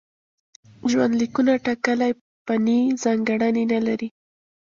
ژوندلیکونه ټاکلې فني ځانګړنې نه لري.